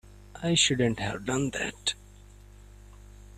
I shouldn't have done that.